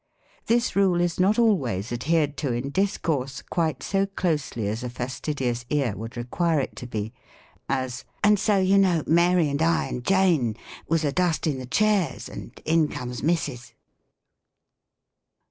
This rule is not always adhered to in discourse quite so closely as a fastidious ear would require it to be : as, " And so, you know, Mary, and I, and Jane was a dusting the chairs, and in comes Missus."